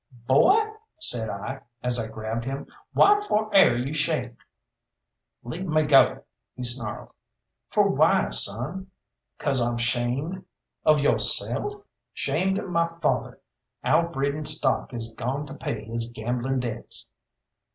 "Boy," said I, as I grabbed him, "why for air you shamed?" "Leave me go," he snarled. "For why, son?" "'Cause I'm shamed." "Of yo'self?" "Shamed of my father. Our breeding stock is gone to pay his gambling debts."